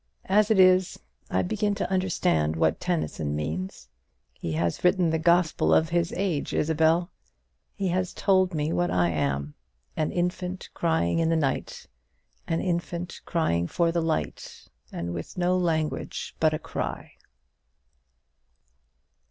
As it is, I begin to understand what Tennyson means. He has written the gospel of his age, Isabel. He has told me what I am: 'an infant crying in the night; an infant crying for the light; and with no language but a cry.'"